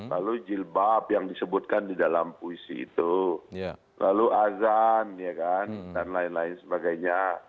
lalu jilbab yang disebutkan di dalam puisi itu lalu azan dan lain lain sebagainya